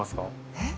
えっ？